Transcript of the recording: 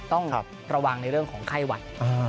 ต้องระวังในเรื่องของไข้หวัด